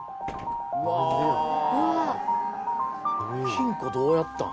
金庫どうやったん？